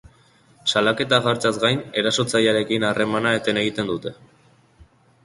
Salaketa jartzeaz gain, erasotzailearekin harremana eten egiten dute.